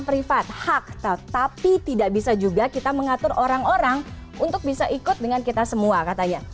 privat hak tapi tidak bisa juga kita mengatur orang orang untuk bisa ikut dengan kita semua katanya